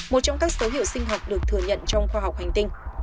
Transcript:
một trong các dấu hiệu sinh học được thừa nhận trong khoa học hành tinh